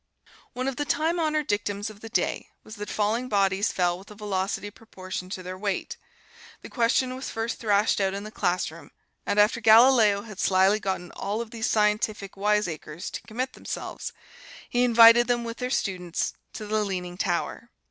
One of the time honored dictums of the day was that falling bodies fell with a velocity proportioned to their weight. The question was first thrashed out in the classroom; and after Galileo had slyly gotten all of these scientific wiseacres to commit themselves, he invited them, with their students, to the Leaning Tower.